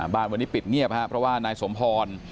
บ้านวันนี้ปิดเงียบครับเพราะว่านายสมพร